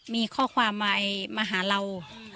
มีข้อความมาหาเรา